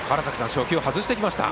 初球を外してきました。